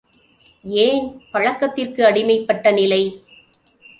ஏன், பழக்கத்திற்கு அடிமைப்பட்ட நிலை.